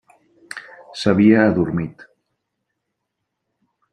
S'havia adormit.